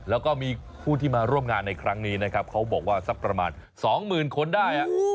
แล้วก็มีผู้ที่มาร่วมงานในครั้งนี้นะครับเขาบอกว่าสักประมาณ๒๐๐๐คนได้